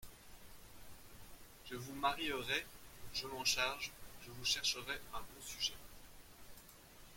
Je vous marierai… je m’en charge… je vous chercherai un bon sujet…